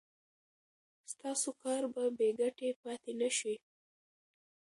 ستاسو کار به بې ګټې پاتې نشي.